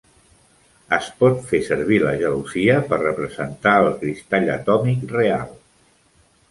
Es pot fer servir la gelosia per representar el cristall atòmic real.